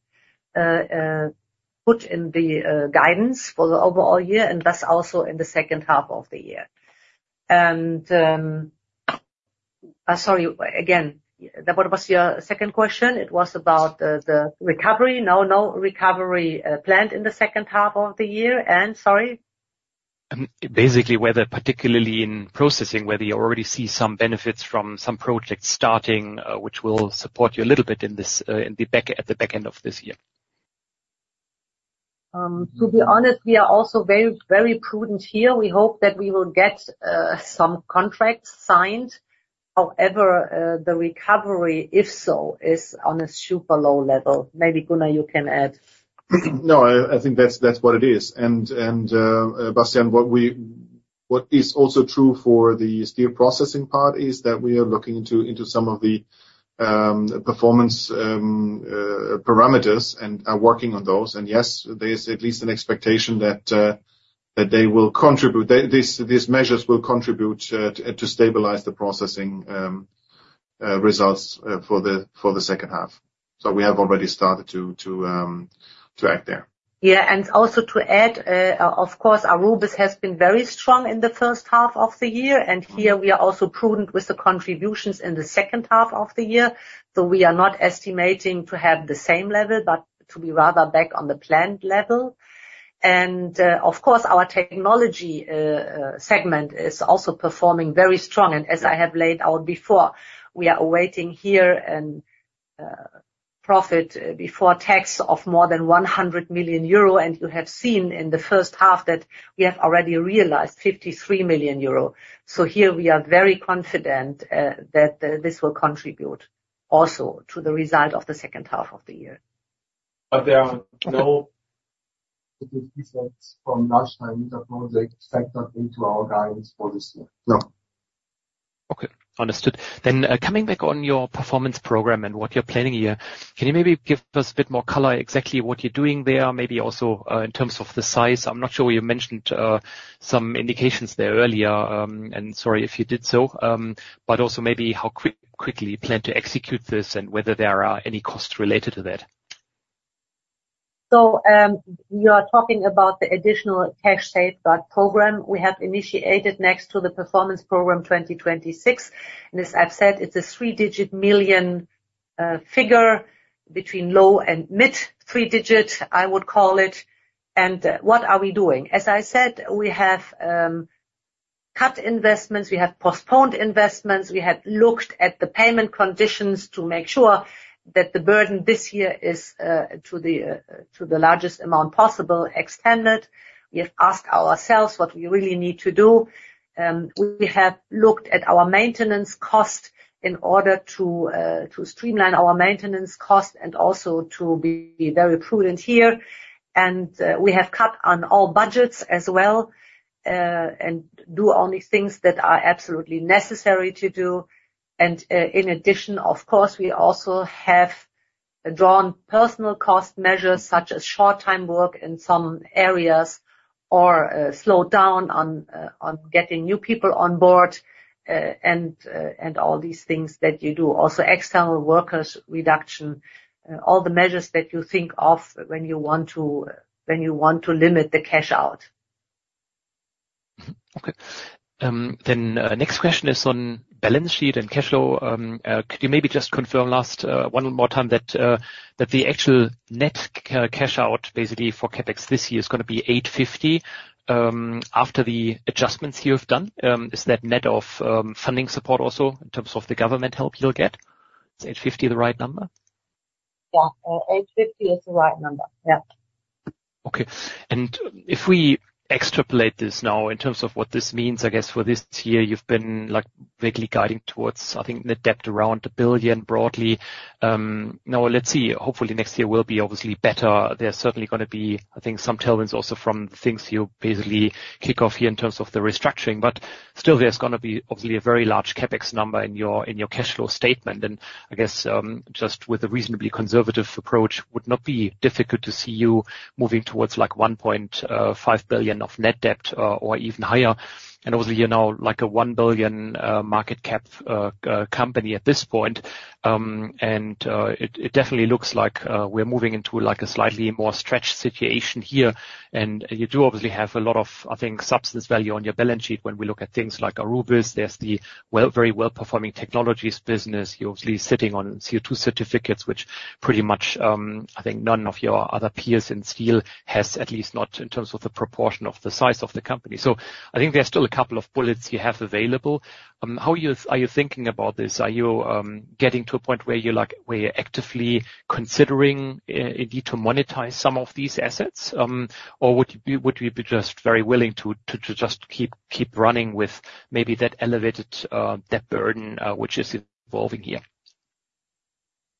put in the guidance for the overall year, and thus also in the second half of the year. And, sorry, again, what was your second question? It was about the recovery. No, no recovery planned in the second half of the year. And sorry? Basically, whether, particularly in processing, whether you already see some benefits from some projects starting, which will support you a little bit in this, in the back end of this year. To be honest, we are also very, very prudent here. We hope that we will get some contracts signed. However, the recovery, if so, is on a super low level. Maybe, Gunnar, you can add. No, I think that's what it is. Bastian, what is also true for the steel processing part is that we are looking into some of the performance parameters and are working on those. And yes, there is at least an expectation that they will contribute, that these measures will contribute to stabilize the processing results for the second half. So we have already started to act there. Yeah, and also to add, of course, Aurubis has been very strong in the first half of the year, and here we are also prudent with the contributions in the second half of the year. So we are not estimating to have the same level, but to be rather back on the planned level. And, of course, our technology segment is also performing very strong. And as I have laid out before, we are awaiting here profit before tax of more than 100 million euro. And you have seen in the first half that we have already realized 53 million euro. So here we are very confident that this will contribute also to the result of the second half of the year. But there are no large CapEx project factored into our guidance for this year. No. Okay, understood. Then, coming back on your performance program and what you're planning here, can you maybe give us a bit more color, exactly what you're doing there, maybe also, in terms of the size? I'm not sure you mentioned, some indications there earlier, and sorry if you did so, but also maybe how quickly you plan to execute this and whether there are any costs related to that. So, you are talking about the additional cash safeguard program we have initiated next to the Performance 2026 program, and as I've said, it's a three-digit million EUR figure between low- and mid-three-digit, I would call it. What are we doing? As I said, we have cut investments, we have postponed investments, we have looked at the payment conditions to make sure that the burden this year is to the largest amount possible extended. We have asked ourselves what we really need to do. We have looked at our maintenance cost in order to to streamline our maintenance cost and also to be very prudent here. We have cut on all budgets as well, and do only things that are absolutely necessary to do. In addition, of course, we also have drawn personnel cost measures, such as short-time work in some areas, or slowed down on getting new people on board, and all these things that you do. Also, external workers reduction, all the measures that you think of when you want to, when you want to limit the cash out. Okay. Then, next question is on balance sheet and cash flow. Could you maybe just confirm last, one more time that, that the actual net cash out, basically, for CapEx this year is gonna be 850, after the adjustments you have done? Is that net of, funding support also, in terms of the government help you'll get? Is 850 the right number? Yeah, 850 is the right number. Yeah. Okay. And if we extrapolate this now, in terms of what this means, I guess, for this year, you've been, like, vaguely guiding towards, I think, net debt around 1 billion broadly. Now let's see. Hopefully, next year will be obviously better. There's certainly gonna be, I think, some tailwinds also from things you basically kick off here in terms of the restructuring. But still, there's gonna be obviously a very large CapEx number in your cash flow statement. And I guess, just with a reasonably conservative approach, would not be difficult to see you moving towards, like, 1.5 billion of net debt, or even higher. And obviously, you're now, like, a 1 billion market cap company at this point. And it definitely looks like we're moving into, like, a slightly more stretched situation here. You do obviously have a lot of, I think, substance value on your balance sheet when we look at things like Aurubis. There's the very well-performing technologies business. You're obviously sitting on CO2 certificates, which pretty much, I think, none of your other peers in steel has, at least not in terms of the proportion of the size of the company. So I think there are still a couple of bullets you have available. How are you thinking about this? Are you getting to a point where you're like, where you're actively considering a need to monetize some of these assets? Or would you be just very willing to just keep running with maybe that elevated debt burden, which is evolving here?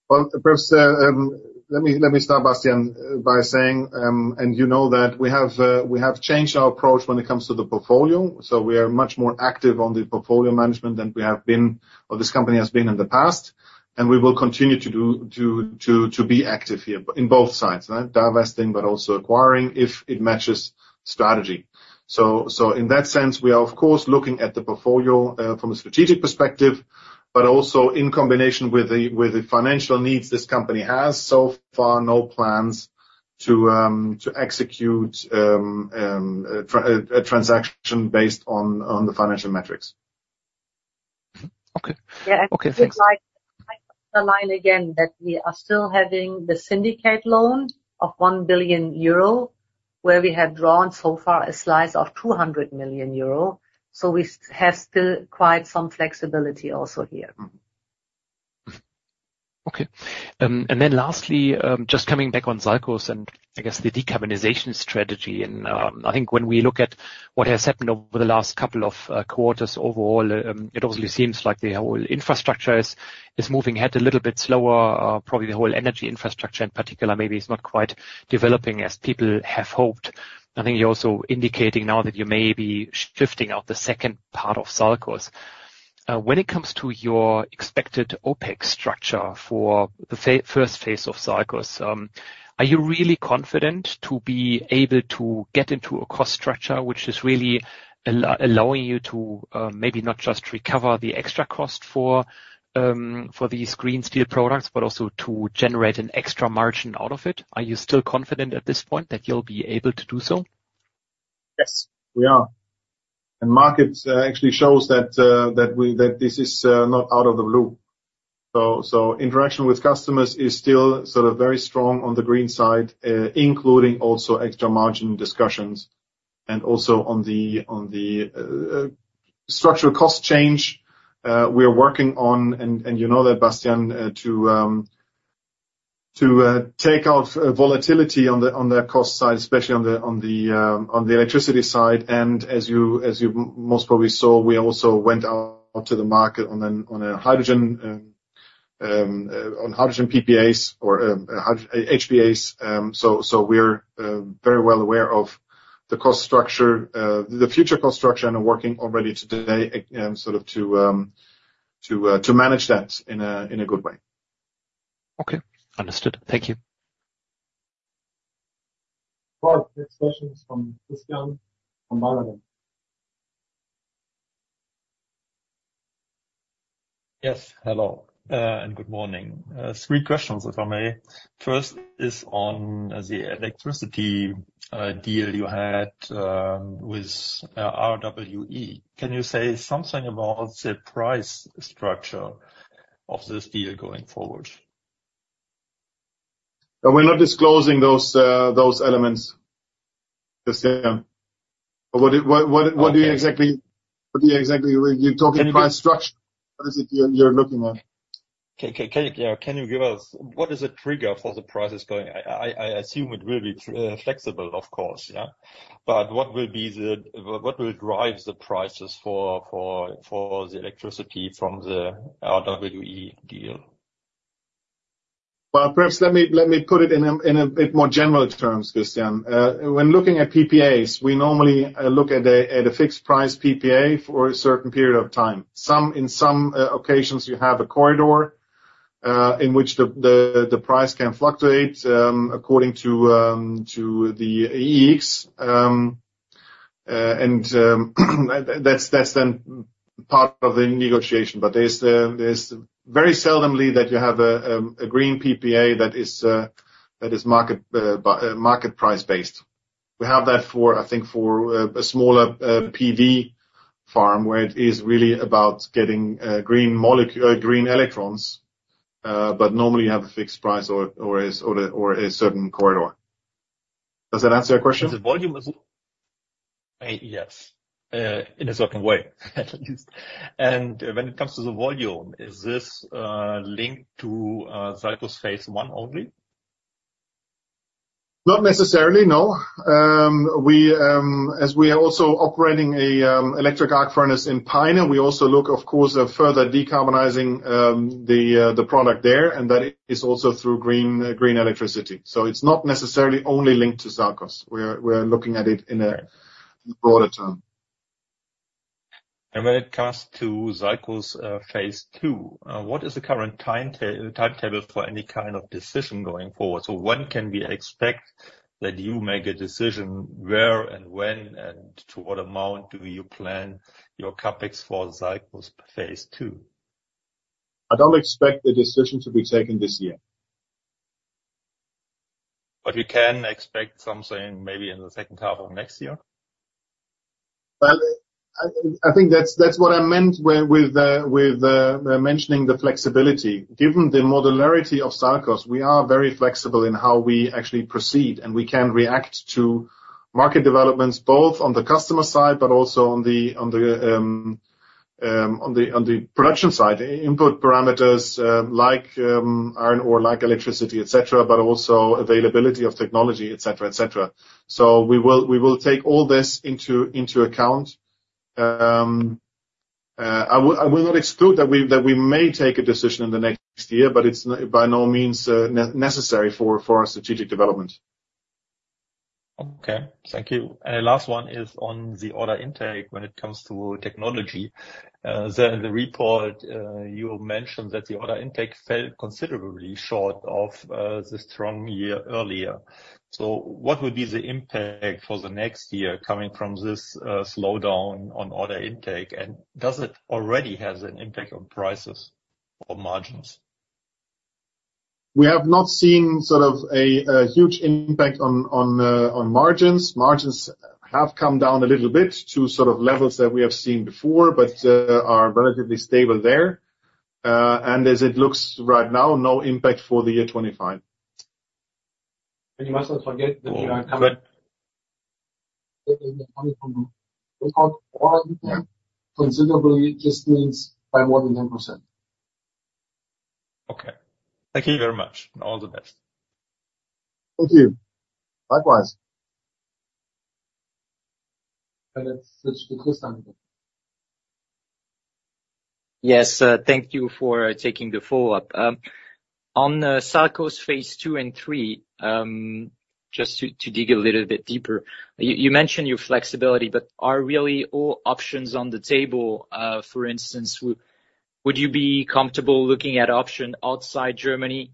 Well, first, let me start, Bastian, by saying, and you know that we have changed our approach when it comes to the portfolio, so we are much more active on the portfolio management than we have been, or this company has been in the past, and we will continue to be active here, but in both sides, right? Divesting, but also acquiring, if it matches strategy. So, in that sense, we are, of course, looking at the portfolio from a strategic perspective, but also in combination with the financial needs this company has so far, no plans to execute a transaction based on the financial metrics. Mm-hmm. Okay. Yeah. Okay, thanks. Like, the line again, that we are still having the syndicate loan of 1 billion euro, where we have drawn so far a slice of 200 million euro, so we have still quite some flexibility also here. Okay. And then lastly, just coming back on SALCOS and I guess the decarbonization strategy. And, I think when we look at what has happened over the last couple of quarters overall, it obviously seems like the whole infrastructure is moving ahead a little bit slower. Probably the whole energy infrastructure in particular, maybe is not quite developing as people have hoped. I think you're also indicating now that you may be shifting out the second part of SALCOS. When it comes to your expected OpEx structure for the first phase of SALCOS, are you really confident to be able to get into a cost structure which is really allowing you to, maybe not just recover the extra cost for these green steel products, but also to generate an extra margin out of it? Are you still confident at this point that you'll be able to do so? Yes, we are. Markets actually shows that that this is not out of the blue. So interaction with customers is still sort of very strong on the green side, including also extra margin discussions and also on the structural cost change. We are working on, and you know that, Bastian, to take out volatility on the cost side, especially on the electricity side. And as you most probably saw, we also went out to the market on a hydrogen on hydrogen PPAs or HPAs. So, we're very well aware of the cost structure, the future cost structure, and are working already today, sort of to manage that in a good way. Okay. Understood. Thank you. All right. Next question is from Christian from Germany. Yes, hello, and good morning. Three questions, if I may. First is on the electricity deal you had with RWE. Can you say something about the price structure of this deal going forward? We're not disclosing those, those elements, Christian. But what do you exactly- Okay. What do you exactly...? You're talking price structure. What is it you're, you're looking at? Can you give us what is the trigger for the prices going? I assume it will be flexible, of course, yeah? But what will be the... What will drive the prices for the electricity from the RWE deal? Well, perhaps let me put it in a bit more general terms, Christian. When looking at PPAs, we normally look at a fixed price PPA for a certain period of time. In some occasions, you have a corridor in which the price can fluctuate according to the EEGs. And that's then part of the negotiation. But there's very seldom that you have a green PPA that is market price based. We have that for, I think, a smaller PV farm, where it is really about getting green electrons, but normally you have a fixed price or a certain corridor. Does that answer your question? The volume is... Yes, in a certain way, at least. When it comes to the volume, is this linked to SALCOS phase I only? Not necessarily, no. We, as we are also operating a electric arc furnace in Peine, we also look, of course, at further decarbonizing the product there, and that is also through green electricity. So it's not necessarily only linked to SALCOS. We're looking at it in a broader term. When it comes to SALCOS, phase II, what is the current timetable for any kind of decision going forward? When can we expect that you make a decision where and when, and to what amount do you plan your CapEx for SALCOS phase II? I don't expect the decision to be taken this year. But we can expect something maybe in the second half of next year? Well, I think that's what I meant when mentioning the flexibility. Given the modularity of SALCOS, we are very flexible in how we actually proceed, and we can react to market developments, both on the customer side, but also on the production side, input parameters, like iron ore, like electricity, et cetera, but also availability of technology, et cetera, et cetera. So we will take all this into account. I will not exclude that we may take a decision in the next year, but it's by no means necessary for our strategic development. Okay. Thank you. And the last one is on the order intake when it comes to technology. The report, you mentioned that the order intake fell considerably short of the strong year earlier. So what would be the impact for the next year coming from this slowdown on order intake, and does it already has an impact on prices or margins? We have not seen sort of a huge impact on margins. Margins have come down a little bit to sort of levels that we have seen before, but are relatively stable there. And as it looks right now, no impact for the year 2025. You must not forget that you are coming- But- Coming from the report, considerably just means by more than 10%. Okay. Thank you very much, and all the best. Thank you. Likewise. Let's switch to Tristan. Yes, thank you for taking the follow-up. On SALCOS phase II and III, just to dig a little bit deeper. You mentioned your flexibility, but are really all options on the table? For instance, would you be comfortable looking at option outside Germany?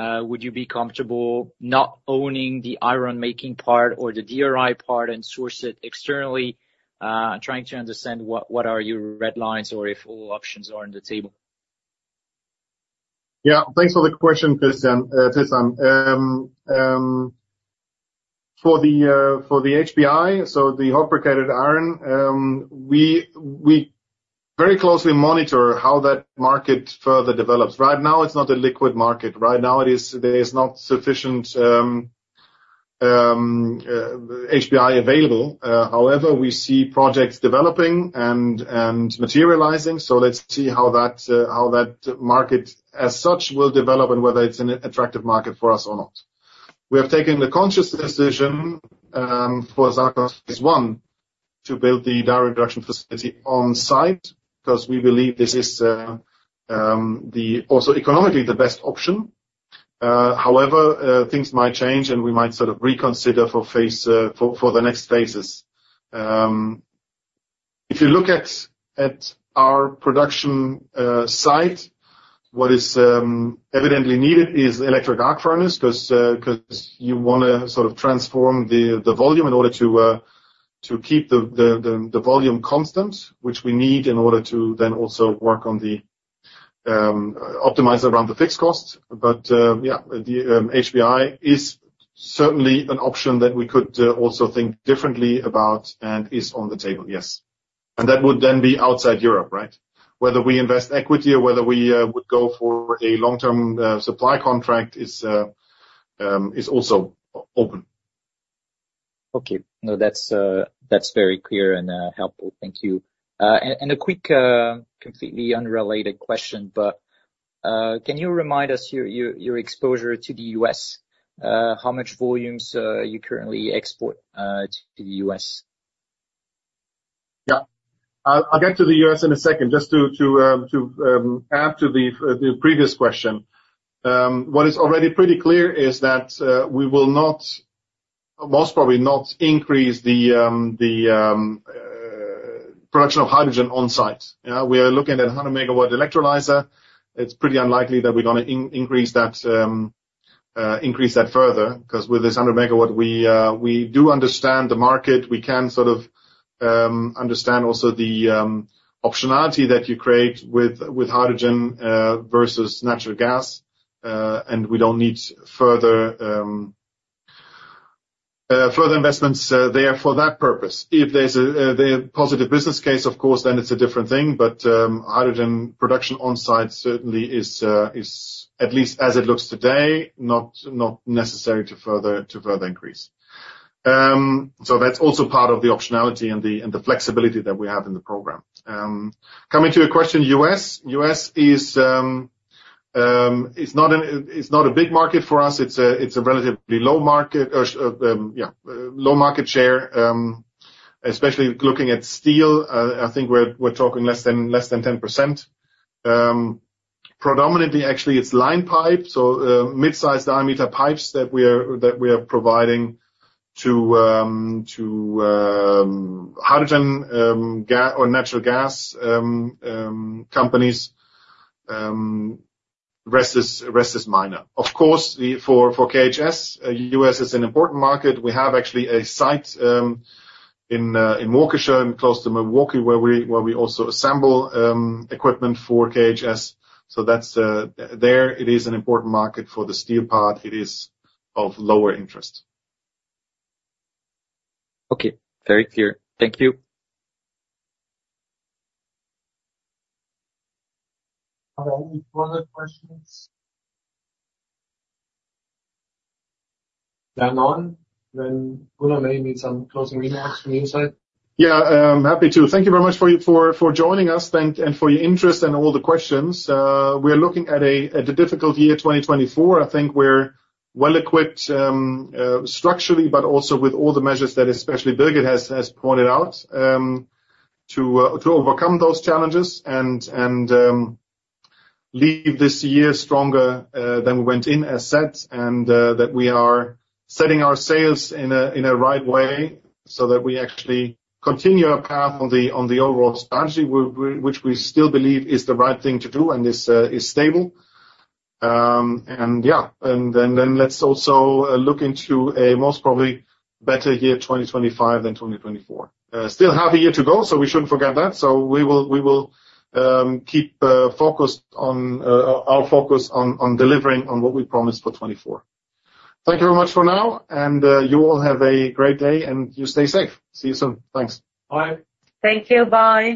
Would you be comfortable not owning the iron making part or the DRI part and source it externally? Trying to understand what are your red lines or if all options are on the table. Yeah, thanks for the question, Tristan, Tristan. For the HBI, so the hot briquetted iron, we very closely monitor how that market further develops. Right now, it's not a liquid market. Right now, it is- there is not sufficient HBI available. However, we see projects developing and materializing, so let's see how that, how that market, as such, will develop and whether it's an attractive market for us or not. We have taken the conscious decision, for SALCOS phase I, to build the direct reduction facility on site, because we believe this is the also economically, the best option. However, things might change, and we might sort of reconsider for phase, for the next phases. If you look at our production site, what is evidently needed is electric arc furnace, because you wanna sort of transform the volume in order to to keep the volume constant, which we need in order to then also work on the optimize around the fixed cost. But yeah, the HBI is certainly an option that we could also think differently about and is on the table, yes. And that would then be outside Europe, right? Whether we invest equity or whether we would go for a long-term supply contract is also open. Okay. No, that's very clear and helpful. Thank you. And a quick, completely unrelated question, but can you remind us of your exposure to the U.S.? How much volumes do you currently export to the U.S.? Yeah. I'll get to the U.S. in a second. Just to add to the previous question. What is already pretty clear is that we will not, most probably not increase the production of hydrogen on site. Yeah, we are looking at a 100 MW electrolyzer. It's pretty unlikely that we're gonna increase that further, because with this 100 MW, we do understand the market. We can sort of understand also the optionality that you create with hydrogen versus natural gas. And we don't need further investments there for that purpose. If there's a positive business case, of course, then it's a different thing, but hydrogen production on site certainly is, at least as it looks today, not necessary to further increase. So that's also part of the optionality and the flexibility that we have in the program. Coming to your question, U.S. U.S. is, it's not a big market for us, it's a relatively low market or, yeah, low market share, especially looking at steel, I think we're talking less than 10%. Predominantly, actually, it's line pipe, so mid-size diameter pipes that we are providing to hydrogen gas or natural gas companies. Rest is minor. Of course, for KHS, U.S. is an important market. We have actually a site in Waukesha, close to Milwaukee, where we also assemble equipment for KHS. So that's there, it is an important market. For the steel part, it is of lower interest. Okay. Very clear. Thank you. Are there any further questions? There are none, then Gunnar, maybe some closing remarks from your side. Yeah, I'm happy to. Thank you very much for joining us and for your interest and all the questions. We're looking at a difficult year, 2024. I think we're well equipped structurally, but also with all the measures that especially Birgit has pointed out, to overcome those challenges and leave this year stronger than we went in, as set, and that we are setting our sails in a right way so that we actually continue our path on the overall strategy, which we still believe is the right thing to do and is stable. And yeah, and then, then let's also look into a most probably better year, 2025 than 2024. Still half a year to go, so we shouldn't forget that. So we will, we will keep focused on our focus on delivering on what we promised for 2024. Thank you very much for now, and you all have a great day, and you stay safe. See you soon. Thanks. Bye. Thank you. Bye.